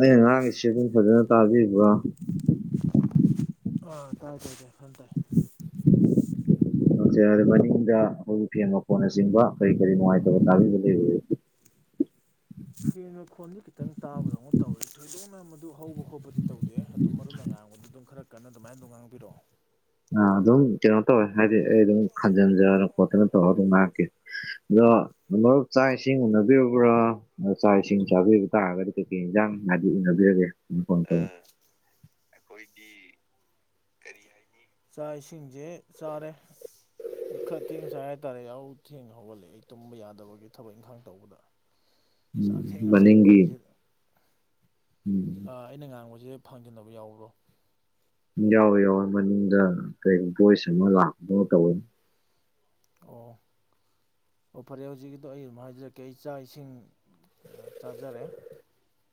ꯑꯩꯅ ꯉꯥꯡꯉꯤꯁꯤꯕꯨ ꯐꯖꯅ ꯇꯥꯕꯤꯕ꯭ꯔꯥ ꯑ ꯇꯥꯏ ꯇꯥꯏ ꯇꯥꯏ ꯐꯟ ꯇꯥꯏ [inaudible] ꯖꯦ ꯃꯅꯤꯡꯗ ꯑꯩꯈꯣꯏꯒꯤ ꯐꯦꯟ ꯃꯈꫭꯟꯅ ꯆꯤꯡꯕ ꯀꯔꯤ ꯀꯔꯤ ꯅꯨꯡꯉꯥꯏꯇꯕ ꯇꯥꯕꯤꯕ ꯂꯩꯕꯒꯦ [inaudible] ꯐꯦꯟꯅ ꯈꯣꯟꯁꯨ ꯈꯤꯇꯪ ꯇꯥꯕꯗꯧꯅ ꯇꯧꯋꯦ ꯊꯣꯏꯗꯣꯛꯅ ꯃꯗꯨ ꯍꯧꯕ ꯈꯣꯠꯄꯗꯤ ꯇꯧꯗꯦ ꯑꯗꯨ ꯃꯔꯨꯞ ꯑꯉꯥꯡꯒꯗ ꯑꯗꯨꯝ ꯈꯔ ꯀꯟꯅ ꯑꯗꯨꯃꯥꯏꯅ ꯑꯗꯨꯝ ꯉꯥꯡꯕꯤꯔꯛꯑꯣ ꯑ ꯑꯗꯨꯝ ꯀꯩꯅꯣ ꯇꯧꯋꯦ ꯍꯥꯏꯗꯤ ꯑꯩ ꯑꯗꯨꯝ ꯈꯟꯖꯤꯟꯖꯅ ꯈꯣꯠꯇꯅ ꯇꯧꯔ ꯑꯗꯨꯝ ꯉꯥꯛꯀꯤꯦ ꯑꯗꯣ ꯑꯃꯨꯞ ꯆꯥꯛ ꯏꯁꯤꯡ ꯎꯅꯕꯤꯔꯕ꯭ꯔꯥ ꯑꯗ ꯆꯥꯛ ꯏꯁꯤꯡ ꯆꯥꯕꯤꯕ ꯇꯥꯔꯒꯗꯤ ꯀꯩꯀꯩ ꯏꯟꯖꯥꯡ ꯅꯕꯤꯦ ꯀꯣꯟ ꯀ ꯑꯥ ꯑꯩꯈꯣꯏꯒꯤ ꯀꯔꯤ ꯍꯥꯏꯅꯤ ꯆꯥꯛ ꯏꯁꯤꯡꯁꯦ ꯆꯥꯔꯦ ꯑꯩ ꯈꯔ ꯊꯦꯡ ꯁꯥꯏ ꯍꯥꯏꯇꯥꯔꯦ ꯌꯥꯎ ꯊꯦꯡꯅ ꯍꯧꯒꯠꯂꯦ ꯑꯩ ꯇꯨꯝꯕ ꯌꯥꯗꯕꯒꯤ ꯊꯕꯛ ꯏꯪꯈꯥꯡ ꯇꯧꯕꯗ ꯆꯥꯛ ꯊꯦꯡꯅ ꯆꯥꯏ ꯃꯅꯤꯡꯒꯤ ꯀꯨꯏꯁꯦ ꯎꯝ ꯑꯩꯅ ꯉꯥꯡꯕꯁꯦ ꯊꯥꯡꯖꯤꯟꯅꯕ ꯌꯥꯎꯕ꯭ꯔꯣ ꯌꯥꯎꯋꯦ ꯌꯥꯎꯋꯦ ꯃꯅꯨꯡꯗ ꯀꯔꯤ ꯚꯣꯏꯁ ꯑꯃ ꯂꯥꯛꯄꯣ ꯇꯧꯋ ꯑꯣ [unintelligible] [inaudible] ꯑꯣ ꯐꯔꯦ ꯍꯧꯖꯤꯛꯀꯤꯗꯣ ꯑꯩ ꯑꯗꯨꯝ ꯍꯥꯏꯖꯔꯛꯀꯦ ꯑꯩ ꯆꯥꯛ ꯏꯁꯤꯡ ꯆꯥꯖꯔꯦ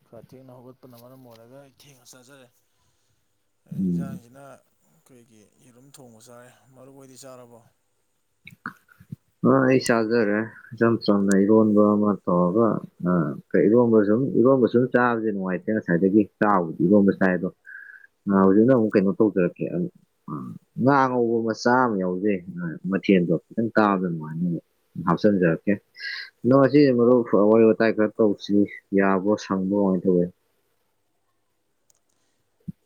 ꯈꯔ ꯊꯦꯡꯅ ꯍꯧꯒꯠꯄꯅ ꯃꯔꯝ ꯑꯣꯏꯔꯒ ꯑꯩ ꯊꯦꯡꯅ ꯆꯥꯖꯔꯦ ꯎꯝ ꯏꯟꯖꯥꯡꯁꯤꯅ ꯑꯩꯈꯣꯏꯒꯤ ꯌꯦꯔꯨꯝ ꯊꯣꯡꯕ ꯆꯥꯔꯦ ꯃꯔꯨ ꯑꯣꯏꯗꯤ ꯆꯥꯔꯕꯣ [unintelligible] [inaudible] ꯑ ꯑꯩ ꯆꯥꯖꯔꯦ ꯏꯆꯝ ꯆꯝꯅ ꯏꯔꯣꯟꯕ ꯑꯃ ꯇꯧꯔꯒ ꯀ ꯏꯔꯣꯕꯁꯨ ꯁꯨꯝ ꯏꯔꯣꯝꯕ ꯁꯨꯝ ꯆꯥꯕꯁꯦ ꯅꯨꯡꯉꯥꯏꯇꯦ ꯉꯁꯥꯏꯗꯒꯤ ꯆꯥꯕꯗꯤ ꯏꯔꯣꯕ ꯁꯥꯏ ꯑꯗꯣ ꯍꯧꯖꯤꯛꯅ ꯑꯃꯨꯛ ꯀꯩꯅꯣ ꯇꯧꯖꯔꯛꯀꯦ ꯉꯥ ꯉꯧꯕ ꯃꯆꯥ ꯑꯃ ꯌꯥꯎꯖꯩ ꯃꯊꯤꯪ ꯀꯥꯕ ꯃꯥꯅꯤ ꯍꯥꯞꯆꯤꯟꯖꯔꯛꯀꯦ ꯅꯪ ꯉ ꯃꯔꯨꯞ ꯋꯥꯔꯤ ꯋꯥꯇꯥꯏ ꯈꯔ ꯇꯧꯁꯤ꯭ꯔꯤ ꯌꯥꯕ꯭ꯔꯣ ꯁꯪꯕ꯭ꯔꯣ ꯄꯦ [unintelligible] [inaudible]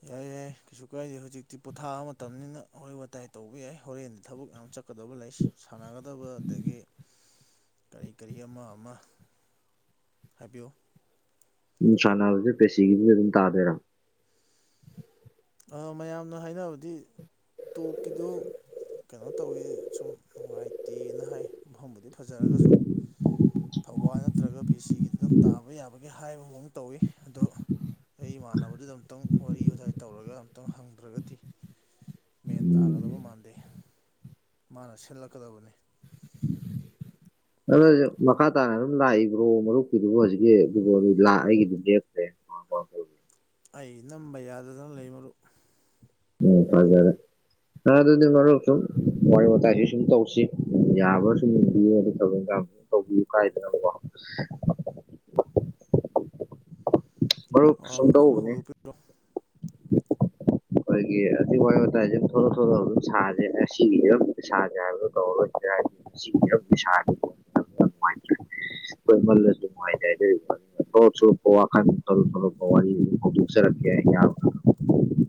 ꯌꯥꯏ ꯌꯥꯏ ꯀꯩꯁꯨ ꯀꯥꯏꯗꯦ ꯍꯧꯖꯤꯛꯇꯤ ꯄꯣꯊꯥꯕ ꯃꯇꯝꯅꯤꯅ ꯋꯥꯔꯤꯍꯩ ꯋꯥꯇꯥꯏ ꯇꯧꯕ ꯌꯥꯏ ꯍꯣꯔꯦꯟꯗ ꯊꯕꯛ ꯌꯥꯝ ꯆꯥꯎ ꯀꯛꯀꯗꯕ ꯂꯩ ꯁꯥꯟꯅꯒꯗꯕ ꯑꯗꯒꯤ ꯀꯔꯤ ꯀꯔꯤ ꯑꯃ ꯑꯃ ꯍꯥꯏꯕꯤꯌꯨ ꯎꯝ ꯁꯥꯟꯁꯦ ꯄꯦꯁꯤꯤꯒꯤ ꯑꯗꯨ ꯑꯗꯨꯝ ꯇꯥꯗꯔ ꯑꯃ ꯑ ꯃꯌꯥꯝꯅ ꯍꯥꯏꯅꯕꯗꯤ ꯇꯣꯛꯀꯤꯗꯨ ꯀꯩꯅꯣ ꯇꯧꯋꯤ ꯁꯨꯝ ꯅꯨꯡꯉꯥꯏꯇꯦꯅ ꯍꯥꯏ ꯑꯍꯐꯝꯕꯨꯗꯤ ꯐꯖꯔꯒꯁꯨ ꯊꯧꯕꯥꯜ ꯅꯠꯇ꯭ꯔꯒ ꯄꯤ ꯁꯤꯒꯤꯗ ꯑꯗꯨꯝ ꯇꯥꯕ ꯌꯥꯕꯒꯦ ꯍꯥꯏꯕꯐꯥꯎ ꯇꯧꯋꯤ ꯑꯗꯣ ꯑꯩ ꯏꯃꯥꯟꯅꯕꯗꯨꯗ ꯑꯨꯛꯇꯪ ꯋꯥꯔꯤꯥꯏ ꯇꯧꯔꯒ ꯑꯝꯛꯇꯪ ꯍꯪꯗ꯭ꯔꯒꯗꯤ ꯃꯦꯟ ꯇꯥꯒꯗꯕ ꯎꯝ ꯃꯥꯟꯗꯦ ꯃꯥꯅ ꯁꯤꯜꯂꯛꯀꯗꯕꯅꯤ ꯑꯗꯨ ꯃꯈꯥ ꯇꯥꯅ ꯑꯗꯨꯝ ꯂꯥꯛꯏꯕ꯭ꯔꯣ ꯃꯔꯨꯞꯀꯤꯗꯨꯕꯨ ꯍꯧꯖꯤꯛꯀꯤ ꯑꯩꯒꯤꯗꯨꯝ ꯂꯦꯈ꯭ꯔꯦ [unintelligible] [inaudible] ꯑꯩ ꯅꯝꯕ ꯌꯥꯗꯗꯅ ꯂꯩ ꯃꯔꯨ ꯎꯝ ꯐꯖꯦꯔꯦ ꯑꯗꯨꯗꯤ ꯃꯔꯨꯞ ꯁꯨꯝ ꯋꯥꯔꯤ ꯋꯥꯇꯥꯏꯁꯨ ꯁꯨꯝ ꯇꯧꯁꯤ ꯌꯥꯕ ꯁꯨꯝ ꯡꯕꯤꯌꯦ ꯑꯗꯨ ꯊ ꯇ ꯀꯗꯣ ꯃꯔꯨꯞ ꯑꯗꯨꯝ ꯁꯨꯡꯗꯎꯒꯅꯦ ꯍꯧꯗꯣꯛꯄꯤꯔꯣ ꯍ [unintelligible] [inaudible] ꯑꯩꯈꯣꯏꯒꯤ ꯑꯗꯨ ꯋꯥ ꯋꯥꯇꯥꯏꯁ ꯑꯗꯨꯝ ꯊꯂꯛ ꯊꯂꯛ ꯑꯗꯨꯝ ꯁꯥꯔꯦ ꯑꯁꯤꯝ ꯁꯥꯁꯦ ꯍꯥꯏꯕꯗꯣ ꯇꯧꯔꯣꯏꯗꯤ ꯁ [unintelligible] [inaudible] ꯑꯩꯈꯣꯏꯃꯜꯂꯁꯨ ꯅꯨꯡꯉꯥꯏꯇꯦꯗ ꯋꯥꯈꯄ ꯋꯥꯔꯤ ꯍꯧꯛ ꯌꯥ [inaudible]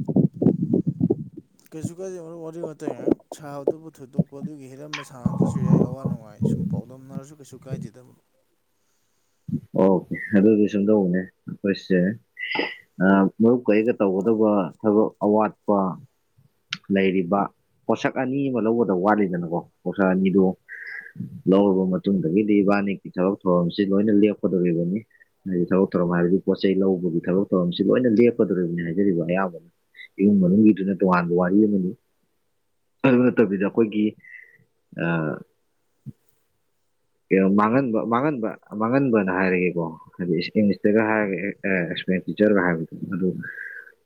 ꯀꯩꯁꯨ ꯀꯥꯏꯗꯦ ꯋꯥꯔꯤ ꯋꯥꯇꯥꯏ ꯉꯥꯏꯍꯥꯛ ꯁꯥꯕꯗꯨꯕꯨ ꯊꯣꯏꯗꯣꯛꯄ ꯑꯗꯨꯒꯤ ꯍꯤꯔꯝꯗ ꯁꯥꯟꯅꯗ꯭ꯔꯁꯨ ꯌꯥꯏ ꯑꯋꯥ ꯅꯨꯡꯉꯥꯏ ꯁꯨꯝ ꯄꯥꯎꯗꯝꯅꯔꯁꯨ ꯀꯩꯁꯨ ꯀꯥꯏꯗꯗꯕ ꯑꯣ ꯑꯗꯨꯗꯤ ꯁꯨꯝꯗꯧꯕꯅꯦ ꯑꯩꯈꯣꯏꯁꯦ ꯃꯔꯨꯞ ꯀꯩꯒ ꯇꯧꯒꯗꯧꯕ ꯊꯕꯛ ꯑꯋꯥꯠꯄ ꯂꯩꯔꯤꯕ ꯄꯣꯠꯁꯛ ꯑꯅꯤ ꯑꯃ ꯂꯧꯕꯗ ꯋꯥꯠꯂꯤꯗꯅꯀꯣ ꯄꯣꯠꯁꯛ ꯑꯅꯤꯗꯨ ꯂꯧꯔꯕ ꯃꯇꯨꯡꯗꯒꯤꯗꯤ ꯏꯕꯥꯅꯤꯛꯀꯤ ꯊꯕꯛ ꯊꯧꯔꯝꯁꯤ ꯂꯣꯏꯅ ꯂꯦꯞꯀꯗꯣꯔꯤꯕꯅꯤ ꯍꯥꯏꯗꯤ ꯊꯕꯛ ꯊꯧꯔꯝ ꯍꯥꯏꯕꯗꯤ ꯄꯣꯠ ꯆꯩꯩ ꯂꯧꯕꯒꯤ ꯊꯕꯛ ꯊꯧꯔꯝꯁꯤ ꯂꯣꯏꯅ ꯂꯦꯞꯀꯗꯣꯔꯤꯕꯅꯤ ꯍꯥꯏꯖꯔꯤꯕ ꯑꯌꯥꯝꯕꯅ ꯏꯃꯨꯡ ꯃꯅꯨꯡꯒꯤꯗꯨꯅ ꯇꯣꯉꯥꯟꯕ ꯋꯥꯔꯤ ꯑꯃꯅꯤ ꯑꯗꯨ ꯅꯠꯇꯕꯤꯗ ꯑꯩꯈꯣꯏꯒꯤ ꯃꯥꯡꯍꯟꯕ ꯃꯥꯡꯍꯟꯕ ꯃꯥꯡꯍꯟꯕꯅ ꯍꯥꯏꯔꯒꯦꯀꯣ ꯍꯥꯏꯗꯤ ꯏꯪꯂꯤꯁꯇꯒ ꯍꯥꯏꯔꯒꯦ ꯖꯒ ꯍꯥꯏꯕꯗ ꯑꯗꯨ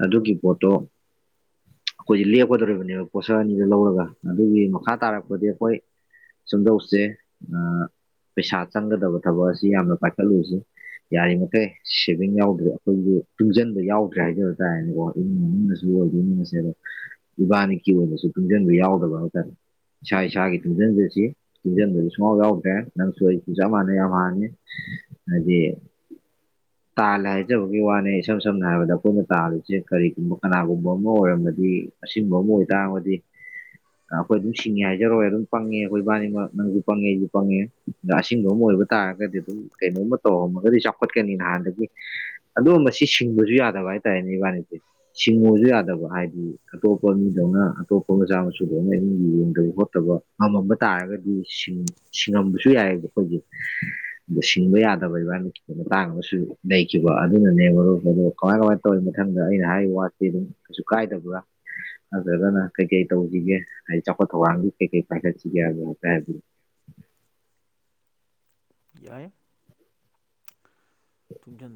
ꯑꯗꯨꯒꯤ ꯄꯣꯠꯇꯣ ꯑꯩꯈꯣꯏꯁ ꯂꯦꯞꯀꯗꯧꯔꯤꯕꯅꯦꯕ ꯄꯣꯠꯁꯛ ꯑꯅꯤꯗ ꯂꯧꯔꯒ ꯑꯗꯨꯒꯤ ꯃꯈꯥ ꯇꯥꯔꯛꯄꯗꯤ ꯑꯩꯈꯣꯏ ꯁꯨꯝꯗꯧꯁꯦ ꯄꯩꯁꯥ ꯆꯪꯒꯗꯕ ꯊꯕꯛ ꯑꯁꯤ ꯌꯥꯝꯅ ꯄꯥꯏꯈꯠꯂꯨꯁꯤ ꯌꯥꯔꯤꯃꯈꯩ ꯁꯦꯚꯤꯡ ꯌꯥꯎꯗ꯭ꯔꯦ ꯑꯩꯈꯣꯏꯒꯤ ꯇꯨꯡꯁꯤꯟꯕ ꯌꯥꯎꯗ꯭ꯔꯦ ꯍꯥꯏꯗꯕ ꯇꯥꯔꯦꯅꯦꯀꯣ ꯏꯃꯨꯡ ꯃꯅꯨꯡꯁꯨ ꯑꯣꯏꯁꯦ ꯑꯗ ꯏꯕꯥꯅꯤꯀꯤ ꯑꯣꯏꯅꯁꯨ ꯇꯨꯡꯁꯤꯟꯕ ꯌꯥꯎꯗꯕ ꯍꯥꯏꯇꯥꯔꯦ ꯏꯁꯥ ꯏꯁꯥꯒꯤ ꯇꯤꯟꯖꯟꯗꯁꯤ ꯇꯖꯟꯕ ꯁꯨꯡꯃꯥꯎ ꯌꯥꯎꯗ꯭ꯔꯦ ꯅꯪꯁꯨ ꯑꯩꯁꯨ ꯆꯞ ꯃꯥꯟꯅꯩ ꯌꯥꯝ ꯍꯥꯟꯅꯤ ꯍꯥꯏꯗꯤ ꯇꯥꯜꯂꯦ ꯍꯥꯏꯖꯕꯒꯤ ꯋꯥꯅꯦ ꯏꯁꯝ ꯁꯝꯅ ꯍꯥꯏꯔꯕꯗ ꯑꯩꯈꯣꯏꯅ ꯇꯥꯔꯤꯁꯦ ꯀꯔꯤꯒꯨꯝꯕ ꯀꯅꯥꯒꯨꯝꯕ ꯑꯃ ꯑꯣꯏꯔꯝꯃꯗꯤ ꯑꯁꯤꯒꯨꯝꯕ ꯑꯃ ꯑꯣꯏꯇꯥꯔꯒꯗꯤ ꯑꯩꯈꯣꯏ ꯑꯗꯨꯝ ꯁꯤꯡꯉꯦ ꯍꯥꯏꯖꯔꯣꯏ ꯑꯗꯨꯝ ꯄꯪꯉꯦ ꯑꯩꯈꯣꯏ ꯏꯕꯥꯅꯤꯃꯛ ꯅꯪꯁꯨ ꯄꯪꯉꯦ ꯑꯩꯁꯨ ꯄꯪꯉꯦ ꯑ ꯑꯕ ꯑꯃ ꯑꯣꯏꯕ ꯇꯥꯔꯒꯗꯤ ꯑꯗꯨꯝ ꯀꯩꯅꯣꯝꯃ ꯇꯧꯔꯝꯃꯒꯗꯤ ꯆꯥꯎꯈꯠꯀꯅꯤ ꯅꯍꯥꯟꯗꯒꯤ ꯑꯗꯨ ꯃꯁꯤ ꯁꯤꯡꯕꯁꯨ ꯌꯥꯗꯕ ꯍꯥꯏꯇꯥꯔꯦꯅꯦ ꯏꯕꯥꯅꯤꯁꯦ ꯁꯤꯡꯉꯨꯁꯨ ꯌꯥꯗꯕ ꯍꯥꯏꯗꯤ ꯑꯇꯣꯞꯄ ꯃꯤꯗꯧꯅ ꯑꯇꯣꯞꯄ ꯃꯆꯥ ꯃꯁꯨ ꯂꯣꯏꯅ ꯑ ꯌꯦꯡꯗꯕ ꯈꯣꯠꯇꯕ ꯉꯝꯃꯝꯕ ꯇꯥꯔꯒꯗꯤ ꯁꯤꯡꯉ ꯌꯥꯦꯣꯏ ꯑꯗꯨ ꯁꯤꯡꯕ ꯌꯥꯗꯕ ꯏꯕꯥꯅ ꯃꯇꯥꯡ ꯑꯃꯁꯨ ꯂꯩꯈꯤꯕ ꯑꯗꯨꯅꯅꯦ ꯃꯔꯨ ꯀꯃꯥꯏ ꯀꯃꯥꯏꯅ ꯇꯧꯔꯤꯅ ꯃꯊꯪꯗ ꯑꯩꯅ ꯍꯥꯏꯔꯤꯕ ꯋꯥꯁꯤ ꯑꯗꯨꯝ ꯀꯩꯁꯨ ꯀꯥꯏꯗꯕ꯭ꯔꯥ ꯑꯗꯨꯗꯅ ꯀꯩꯀꯩ ꯇꯧꯁꯤꯒꯦ ꯍꯥꯏꯗꯤ ꯆꯥꯎꯈꯠ ꯊꯧꯔꯥꯡꯒꯤ ꯀꯩꯀꯩ ꯄꯥꯏꯈꯠꯁꯤꯒꯦ ꯑꯗꯨ ꯍꯥꯏꯇꯥꯔꯗꯤ [inaudible] ꯌꯥꯣꯏ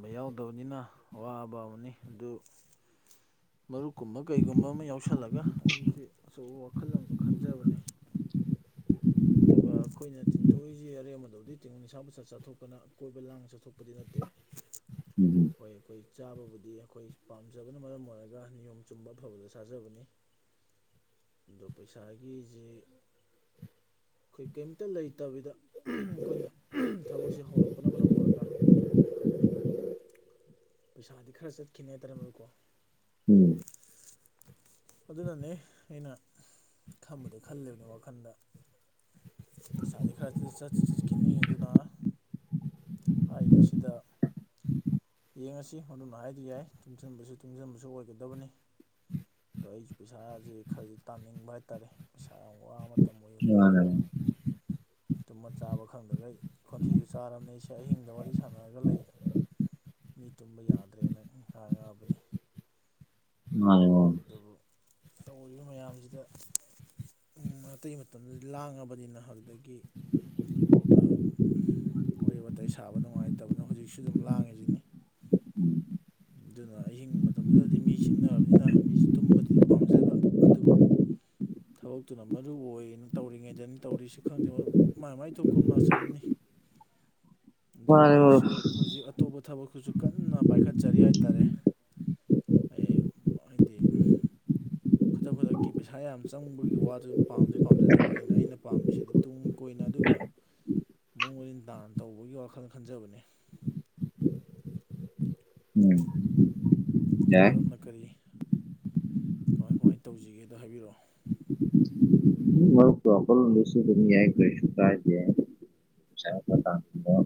ꯌꯥꯎꯗꯕꯅꯤꯅ ꯑꯋꯥꯕ ꯑꯃꯅꯤ ꯑꯗꯨ ꯃꯔꯨꯞꯀꯨꯝꯕ ꯀꯩꯒꯨꯝꯕ ꯑꯃ ꯌꯥꯎꯁꯜꯂꯒ ꯑꯩꯁꯦ ꯑꯆꯧꯕ ꯋꯥꯈꯜ ꯑꯃꯁꯨ ꯈꯟꯖꯕꯅꯦ [inaudible] ꯑꯩꯈꯣꯏꯅ ꯇꯤꯡꯊꯣꯏꯁꯤ ꯑꯔꯦꯝꯕꯗꯧꯗꯤ ꯇꯤꯡ ꯅꯤꯁꯥꯕꯨ ꯆꯠꯊꯣꯛꯄꯅ ꯑꯀꯣꯏꯕ ꯂꯥꯡ ꯆꯠꯊꯣꯛꯄ ꯗꯤ ꯅꯠꯇꯦ ꯎꯝ ꯍꯣꯏ ꯑꯩꯈꯣꯏ ꯆꯥꯕꯕꯨꯗꯤ ꯑꯩꯈꯣꯏ ꯄꯥꯝꯖꯕꯅ ꯃꯔꯝ ꯑꯣꯏꯔꯒ ꯅꯤꯌꯣꯝ ꯆꯨꯝꯕ ꯑꯐꯕꯗ ꯆꯥꯖꯕꯅꯤ ꯑꯗꯣ ꯄꯩꯁꯥꯒꯤꯁꯤ ꯑꯩꯈꯣꯏ ꯀꯩꯝꯇ ꯂꯩꯇꯕꯤꯗ ꯑꯩꯈꯣꯏꯅ ꯊꯕꯛꯁꯦ ꯍꯧꯔꯛꯄꯅ ꯃꯔꯝ ꯑꯣꯏꯔꯒ ꯄꯩꯁꯥꯗꯤ ꯈꯔ ꯆꯠꯈꯤꯅꯦ ꯇꯔꯝꯃꯨꯀꯣ ꯎꯝ ꯑꯗꯨꯅꯅꯦ ꯑꯩꯅ ꯈꯝꯕꯗꯤ ꯈꯜꯂꯤꯕꯅꯤ ꯋꯥꯈꯜꯗ ꯄꯩꯁꯥꯁꯦ ꯈꯔ ꯆꯠꯁꯨ ꯆꯠꯈꯤꯅꯤ ꯑꯗꯨꯅ ꯍꯥꯏꯔꯤꯕꯁꯤꯗ ꯌꯦꯡꯉꯁꯤ ꯃꯗꯨꯅ ꯍꯥꯏꯗꯤ ꯌꯥꯏ ꯇꯨꯡꯁꯤꯟꯕꯁꯨ ꯇꯨꯡꯁꯤꯟꯕꯁꯨ ꯑꯣꯏꯒꯗꯕꯅꯤ ꯑꯗꯣ ꯑꯩꯁꯨ ꯄꯩꯁꯥꯥꯁꯦ ꯈꯔꯗꯤ ꯇꯥꯅꯤꯡꯕ ꯍꯥꯏꯇꯥꯔꯦ ꯄꯩꯁꯥ ꯌꯥꯝ ꯋꯥꯕ ꯃꯇꯝꯗ ꯑ ꯇꯨꯝꯃ ꯆꯥꯕ ꯈꯪꯗꯒꯩ ꯈꯣꯟꯊꯁꯨ ꯆꯥꯔꯔꯕꯅꯤꯁꯦ ꯑꯍꯤꯡꯗ ꯋꯥꯔꯤ ꯁꯥꯟꯅꯔꯒ ꯂꯩ ꯃꯤ ꯇꯨꯝꯕ ꯌꯥꯗ꯭ꯔꯦꯅ ꯉꯥꯡ ꯉꯥꯕꯅꯤ ꯑ ꯇꯧꯔꯤꯕ ꯃꯌꯥꯝꯁꯤꯗ ꯑꯇꯩ ꯃꯇꯝꯗꯗꯤ ꯂꯥꯡꯉꯕꯅꯤꯅ ꯑꯗꯨꯗꯒꯤ ꯋꯥꯔꯤ ꯋꯥꯇꯥꯏ ꯁꯥꯕ ꯅꯨꯡꯉꯥꯏꯇꯕꯅ ꯍꯧꯖꯤꯛꯁꯨ ꯑꯗꯨꯝ ꯂꯥꯡꯉꯤꯁꯤꯅꯤ ꯁꯤꯡꯛꯅꯔꯕꯅꯤꯅ ꯃꯤꯁ ꯇꯨꯝꯕꯗꯤ ꯄꯥꯝꯖꯕ ꯑꯗꯨꯕꯨ ꯊꯕꯛꯇꯨꯅ ꯃꯔꯨꯑꯣꯅ ꯇꯧꯔꯤꯉꯩꯗꯅꯤ ꯇꯧꯔꯤꯁꯤꯦ ꯈꯪꯗꯦ ꯃꯥꯏ ꯃꯥꯏ ꯊꯣꯛꯀ ꯑꯃ ꯂꯥꯛꯆꯂꯅꯤ [inaudible] ꯑꯗꯣ ꯃꯔꯨꯞ ꯑꯩꯁꯨ ꯍꯧꯖꯤꯛ ꯑꯇꯣꯞꯄ ꯊꯕꯛꯈꯨꯁꯨ ꯀꯟꯅ ꯄꯥꯏꯈꯠꯆꯔꯤ ꯍꯥꯏꯇꯥꯔꯦ ꯑꯩ ꯍꯥꯏꯗꯤ ꯈꯨꯗꯛ ꯈꯨꯗꯛꯀꯤ ꯄꯩꯁꯥ ꯌꯥꯝ ꯆꯪꯕꯒꯤ ꯋꯥꯗꯨ ꯄꯥꯝꯖ ꯄꯥꯝꯖꯗꯕ ꯑꯩꯅ ꯑꯩꯅ ꯄꯥꯝꯃꯤꯁꯤꯗꯤ ꯇꯨꯡ ꯀ ꯑꯣꯏꯅ ꯑꯗꯨꯒ ꯃꯑꯣꯡ ꯃꯔꯤꯟ ꯇꯥꯅ ꯇꯧꯕꯒꯤ ꯋꯥꯈꯜ ꯈꯟꯖꯕꯅꯤ [unintelligible] ꯎꯝ ꯌꯥꯏ ꯃꯔꯨꯞꯅ ꯀꯔꯤ ꯀꯃꯥꯏ ꯀꯃꯥꯏꯅ ꯇꯧꯁꯤꯒꯦꯗ ꯍꯥꯏꯕꯤꯔꯛꯑꯣ ꯗꯁꯏ ꯀꯁꯨ ꯀꯥꯏꯖ ꯑꯣ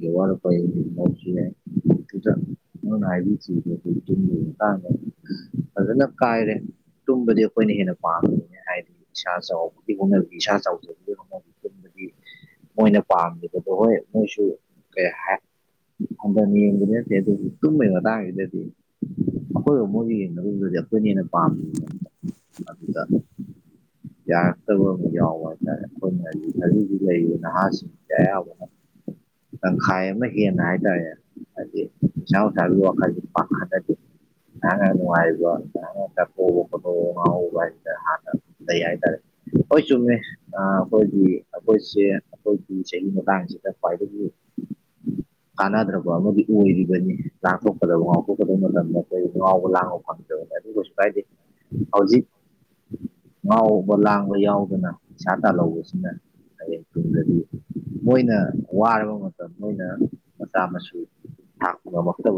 ꯏꯦ ꯋꯥꯔ ꯄ ꯏꯁꯤꯂꯦ ꯑꯗꯨꯅ ꯀꯥꯏꯔꯦ ꯇꯨꯝꯕꯗꯤ ꯑꯩꯈꯣꯏꯅ ꯍꯦꯟꯅ ꯄꯥꯝꯃꯤ ꯍꯥꯏꯗꯤ ꯏꯁꯥ ꯆꯥꯎꯕꯒꯤ ꯍꯣꯠꯅꯕꯒꯤ ꯏꯁꯥ ꯆꯥꯎꯖꯕ ꯍꯅꯕꯕꯒꯤ ꯃꯣꯏꯅ ꯄꯥꯝꯃꯤꯕꯗꯣ ꯍꯣꯏ ꯃꯣꯏꯁꯨ ꯀꯩ ꯍꯥꯏ ꯑꯗꯅꯤ ꯌꯦꯁꯤ ꯑꯗꯨ ꯇꯨꯝꯃꯤ ꯍꯗꯗꯗꯤ ꯑꯩꯈꯣꯏꯕ ꯃꯣꯏꯒ ꯌꯦꯡꯅꯕꯗꯨꯗꯤ ꯑꯩꯈꯣꯏꯅ ꯍꯦꯟꯅ ꯄꯥꯝꯃꯤꯅꯦ ꯑꯗꯨꯗ ꯌꯥꯔꯛꯇꯕ ꯑꯃ ꯌꯥꯎꯕ ꯍꯥꯏꯇꯥꯔꯦ ꯑꯩꯈꯣꯏꯅ ꯍꯧꯖꯤꯛ ꯈꯖꯤꯗꯤ ꯂꯩꯔꯤꯕ ꯅꯍꯥꯁꯤꯡꯁ ꯑꯌꯥꯕꯅ ꯑꯪꯈꯥꯏꯃꯦ ꯏꯅꯅꯥ ꯍꯥꯏ ꯇ ꯑꯗꯨꯗ ꯆꯥꯎ ꯊꯜ ꯋꯥ ꯄꯗꯤ ꯍꯥꯏꯕ ꯍꯥ ꯂꯩ ꯍꯥꯏꯇꯥꯔꯦ ꯑꯩꯈꯣꯏ ꯆꯨꯝꯃꯦ ꯑꯩꯈꯣꯏꯒꯤ ꯑꯩꯈꯣꯏꯁꯦ ꯑꯩꯈꯣꯏꯒꯤ ꯁꯤꯇ ꯄꯥꯏꯔ ꯀꯥꯟꯅꯗ꯭ꯔꯕ ꯑꯃꯗꯤ ꯑꯣꯏꯔꯤꯕꯅꯤ ꯉꯥꯛꯊꯣꯛꯀꯗꯕ ꯉꯥꯛꯊꯣꯛꯀꯗꯕ ꯃꯇꯝꯗ ꯀ ꯉꯥꯎꯕ ꯂꯥꯡꯕ ꯐꯪꯗꯕꯗ ꯑꯗꯨ ꯀꯩꯁꯨ ꯀꯥꯏꯗꯦ ꯍꯧꯖꯤꯛ ꯉꯥꯎꯕ ꯂꯥꯡꯕ ꯌꯥꯎꯗꯅ ꯄꯩꯁꯥ ꯇꯥꯜꯍꯧꯕꯁꯤꯅ ꯍꯌꯦꯡ ꯇꯨꯡꯗꯗꯤ ꯃꯣꯏꯅ ꯋꯥꯔꯕ ꯃꯇꯝ ꯃꯣꯏꯅ ꯃꯆꯥ ꯃꯁꯨ ꯊꯅ ꯃꯛꯇ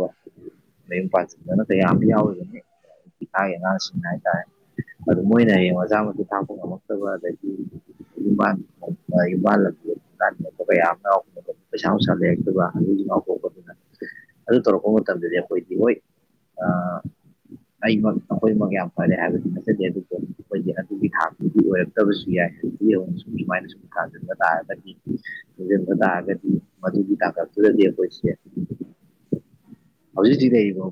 ꯄꯅ ꯀꯌꯥꯝ ꯌꯥꯎꯔꯤꯕꯅꯤ ꯏꯀꯥꯏ ꯑꯉꯥꯡꯁꯤꯡ ꯍꯥꯏꯇꯥꯔꯦ ꯑꯗꯨ ꯃꯣꯏꯅ ꯍꯌꯦꯡ ꯑꯣꯖꯥ ꯃꯇ ꯊꯥꯛ ꯗꯤ ꯌꯕꯥ ꯌꯕꯥꯜ ꯌꯥꯝ ꯄꯩꯁꯥ ꯅꯨꯡꯁꯥ ꯂꯩ ꯑꯗꯨꯒ ꯑꯁꯨ ꯉꯥꯎ ꯄꯣꯛꯗꯅ ꯑꯗꯨ ꯇꯧꯔꯛꯄ ꯃꯇꯝꯗꯗꯤ ꯑꯩꯈꯣꯏꯗꯤ ꯍꯣꯏ ꯑꯩ ꯃꯣꯏ ꯃ ꯌꯥꯝ ꯐꯦ ꯍꯥꯏꯗꯤ ꯃꯁꯦꯖꯦ ꯑꯩꯈꯣꯏꯗꯤ ꯑꯗꯨꯒꯤ ꯊꯥꯛꯇꯨꯗꯤ ꯑꯣꯏꯔꯛꯇꯕꯁꯨ ꯌꯥꯏ ꯍꯧꯖꯤꯅ ꯁꯨꯝ ꯁꯨꯃꯥꯏꯅ ꯁꯨꯝ ꯊꯥꯂ ꯇꯥꯔꯗꯤ ꯁꯦꯝꯕ ꯇꯥꯔꯒꯗꯤ ꯃꯗꯨꯒꯤ ꯇꯥꯡꯀꯛꯇꯨꯗꯗꯤ ꯑꯩꯈꯣꯏꯁꯦ ꯍꯧꯖꯤꯛ ꯆꯗꯕꯥꯎ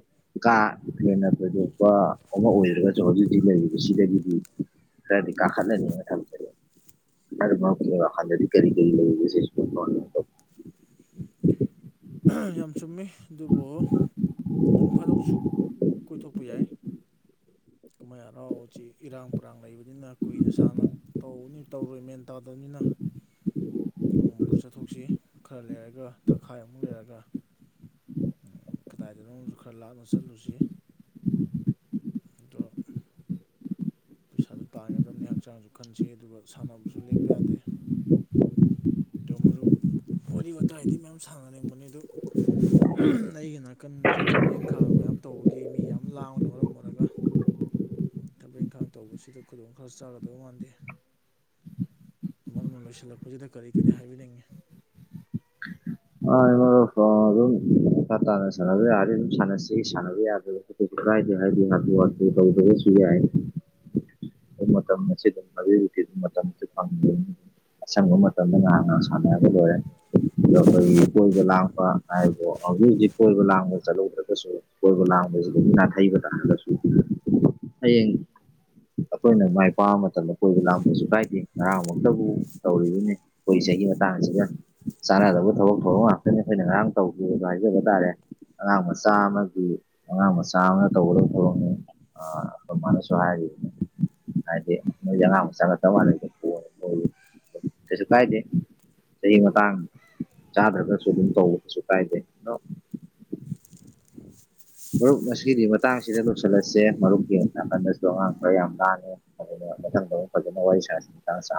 ꯀꯥꯊꯦꯟꯅ ꯊꯣꯏꯗꯣꯛꯄ ꯑꯃ ꯑꯣꯏꯔꯒꯁꯨ ꯍꯧꯖꯤꯛꯇꯤ ꯂꯩꯔꯤ ꯗꯒꯤꯗꯤ ꯈꯔꯗꯤ ꯀꯥꯈꯠꯂꯅꯤꯅ ꯊꯝꯖꯒꯦ ꯍꯗꯤ ꯀꯔꯤ ꯀꯔꯤ ꯂꯩꯁꯦ [unintelligible] ꯌꯥꯝ ꯆꯨꯝꯃꯤ ꯑꯗꯨꯕꯨ ꯅꯣꯡ ꯐꯥꯗꯧꯁꯨ ꯀꯣꯏꯊꯣꯛꯄ ꯌꯥꯏ [unintelligible] ꯀꯨꯝꯍꯩ ꯍꯔꯥꯎ ꯎꯆꯦ ꯏꯔꯥꯡ ꯄꯔꯥꯡ ꯂꯩꯕꯅꯤꯅ ꯀꯨꯏꯅ ꯁꯥꯡꯅ ꯇꯧꯅꯤ ꯇꯧꯔꯣꯏ ꯃꯦꯟ ꯇꯥꯗꯕꯅꯤꯅ [unintelligible] ꯑꯃꯨ ꯃꯈꯔ ꯆꯠꯊꯣꯛꯁꯤ ꯈꯔ ꯂꯩꯔꯒ ꯊꯪꯈꯥꯏ ꯑꯃꯨꯛ ꯂꯩꯔꯒ ꯈꯔ ꯀꯗꯥꯏꯗꯅꯣꯁꯨ ꯈꯔ ꯂꯥꯞꯅ ꯆꯠꯂꯨꯁꯤ ꯗꯣ ꯄꯩꯁꯥꯁꯨ ꯇꯥꯟꯒꯗꯕꯅꯤ ꯍꯛꯆꯥꯡꯁꯨ ꯈꯟꯁꯤ ꯑꯗꯨꯒ ꯁꯥꯟꯅꯕꯁꯨ ꯂꯦꯞꯄ ꯌꯥꯗꯦ ꯨꯝꯃꯔꯨ ꯋꯥꯔꯤ ꯋꯥꯇꯥꯏꯗꯤ ꯃꯌꯥꯝ ꯁꯥꯟꯅꯅꯤꯡꯕꯅꯤ ꯑꯗꯨ ꯑꯩꯒꯤ ꯅꯥꯀꯟꯗꯨꯗ ꯊꯕꯛ ꯏꯪꯈꯥꯡ ꯃꯌꯥꯝ ꯌꯥꯝ ꯇꯧꯕꯒꯤ ꯃꯤ ꯌꯥꯝ ꯂꯥꯡꯅ ꯃꯔꯝ ꯑꯣꯏꯔꯒ ꯊꯕꯛ ꯏꯪꯈꯥꯡ ꯇꯧꯕꯁꯤꯗ ꯈꯨꯗꯣꯡ ꯈꯔ ꯆꯥꯒꯗꯕ ꯃꯥꯟꯗꯦ ꯃꯔꯅ ꯂꯣꯏꯁꯤꯜꯂꯛꯄꯁꯤꯗ ꯀꯔꯤ ꯀꯔꯤ ꯍꯥꯏꯕꯤꯅꯤꯡꯏꯤ ꯑ ꯑꯗꯨꯝ ꯇ ꯁꯔꯝ ꯁꯁꯤ ꯁꯅꯕꯤꯗ ꯀꯗꯤꯦ ꯍꯥꯏꯗꯤ ꯍꯥ ꯋꯥ ꯇ ꯁꯤ ꯌꯥ ꯑꯗꯨꯃ ꯇꯝꯃꯦ ꯆ ꯃꯦ ꯑꯗꯨꯝꯕ ꯇꯝꯃꯦ ꯐꯝ ꯑꯁꯪꯕ ꯃꯇꯝꯗ ꯉꯍ ꯉꯍ ꯁꯥꯟꯅꯒ ꯂꯣꯏꯔꯦ ꯑꯣ ꯑꯩꯈꯣꯏꯒꯤ ꯀꯣꯏꯕ ꯂꯥꯛꯄ ꯍꯥꯏꯔꯤꯕꯣ ꯍꯧꯖꯤꯛ ꯍꯧꯖꯤꯛ ꯀꯣꯏꯕ ꯂꯥꯡꯕ ꯆꯠꯍꯧꯗ꯭ꯔꯒꯁꯨ ꯀꯣꯏꯕ ꯂꯥꯡꯕꯁꯤꯗꯒꯤ ꯅꯥꯊꯩꯕ ꯇꯥ ꯍꯥꯏꯔꯒꯁꯨ ꯍꯌꯦꯡ ꯑꯩꯈꯣꯏꯅ ꯃꯥꯏ ꯄꯥꯛꯕ ꯃꯇꯝꯗ ꯀꯣꯏꯕ ꯂꯥꯛꯄꯁꯨ ꯀꯥꯏꯗꯦ ꯉꯔꯥꯡ ꯑꯃꯛꯇꯕꯨ ꯇꯧꯔꯤꯕꯅꯦ ꯑꯩꯈꯣꯏ ꯏꯁꯩ ꯑꯩꯒꯤ ꯃꯇꯥꯡꯁꯤꯒ ꯆꯥꯟꯅꯗꯕ ꯊꯕꯛ ꯊꯧꯔꯝ ꯉꯥꯛꯇꯅꯤ ꯑꯩꯈꯣꯏꯅ ꯉꯔꯥꯡ ꯇꯧꯈꯤꯕꯈꯤꯕꯗꯣ ꯍꯥꯏꯖꯕ ꯇꯥꯔꯦ ꯑꯉꯥꯡ ꯃꯆꯥ ꯑꯃꯒꯤ ꯑꯉꯥꯡ ꯃꯆꯥ ꯑꯃꯒ ꯇꯒꯗ ꯄꯔꯛꯅꯤ ꯑ ꯃꯥꯅꯁꯨ ꯍꯥꯏꯔꯤ ꯍꯥꯏꯗꯤ ꯃꯣꯏꯁ ꯑꯉꯥꯡ ꯃ ꯆꯪꯉꯛꯇ ꯋꯥꯩꯗ ꯄ ꯃꯣꯏꯒꯤ ꯇꯁ ꯀꯥꯏꯖꯦ ꯁꯤꯍꯤ ꯃ ꯇꯥꯡꯥꯡ ꯆꯥ ꯍꯖ ꯁꯣꯗ ꯇꯧꯕꯁꯨ ꯀꯥꯏꯗꯩ ꯃꯔꯨꯞ ꯉꯗꯤ ꯃꯇꯥꯡꯁꯤꯗ ꯂꯣꯏꯁꯤꯜꯂꯁꯦ ꯃꯔꯨꯞꯀꯤ ꯅꯥꯀꯟꯗꯁꯨ ꯑꯉꯥꯡ ꯈꯔ ꯌꯥꯝ ꯂꯥꯡꯉꯦ ꯃꯊꯪꯗ ꯐꯖꯅ ꯋꯥꯔꯤ ꯁꯥ